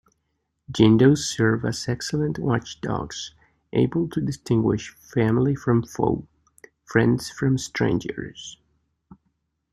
Jindos serve as excellent watchdogs, able to distinguish family from foe, friends from strangers.